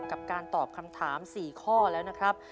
กับการตอบคำถาม๔ข้อแล้วนะครับ